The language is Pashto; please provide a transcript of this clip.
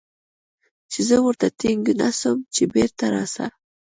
چې زه ورته ټينګ نه سم چې بېرته راسه.